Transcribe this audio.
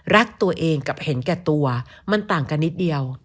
รักตัวเองกับเห็นแก่ตัวมันต่างกันนิดเดียว